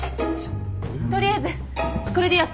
取りあえずこれでやってみよう。